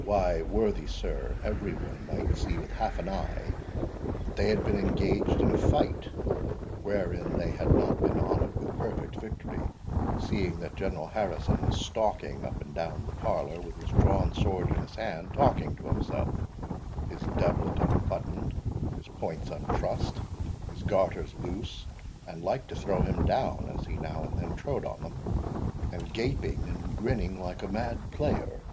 "Why, worthy sir, every one might see with half an eye that they had been engaged in a fight wherein they had not been honoured with perfect victory; seeing that General Harrison was stalking up and down the parlour, with his drawn sword in his hand, talking to himself, his doublet unbuttoned, his points untrussed, his garters loose, and like to throw him down as he now and then trode on them, and gaping and grinning like a mad player.